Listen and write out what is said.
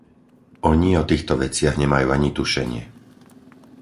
Oni o týchto veciach nemajú ani tušenie.